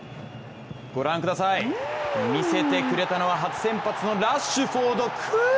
ご覧ください、見せてくれたのは初先発のラッシュフォード、く！